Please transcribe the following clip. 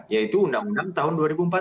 yaitu undang undang tahun dua ribu empat belas